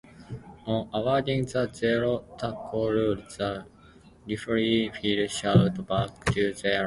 On awarding the zero tackle rule, the referee will shout Back to zero!